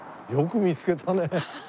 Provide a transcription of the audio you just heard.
よく見つけたね。